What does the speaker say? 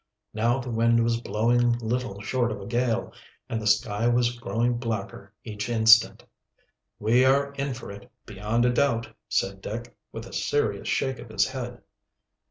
Now the wind was blowing little short of a gale, and the sky was growing blacker each instant. "We are in for it, beyond a doubt," said Dick, with a serious shake of his head.